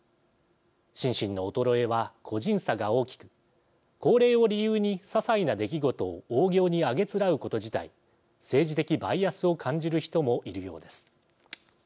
心身の衰えは個人差が大きく高齢を理由にささいな出来事をおおぎょうにあげつらうこと自体政治的バイアスを感じる人もいるようです。